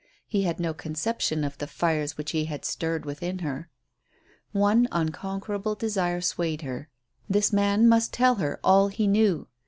He had no conception of the fires which he had stirred within her. One unconquerable desire swayed her. This man must tell her all he knew.